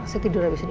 saya tidur abis ini